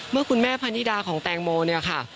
เมื่อคุณแม่พันธิดาของแตงโมเนี่ยค่ะ